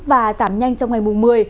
và giảm nhanh trong ngày mùng một mươi